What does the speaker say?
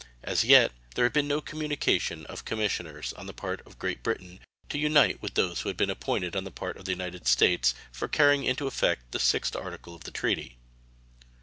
As yet there has been no communication of commissioners on the part of Great Britain to unite with those who have been appointed on the part of the United States for carrying into effect the 6th article of the treaty.